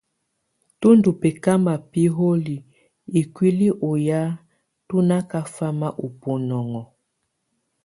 Tù ndù bɛkamɔ̀ biholiǝ́ ikuili ɔ́ ya tù na kafama ù bunɔŋɔ.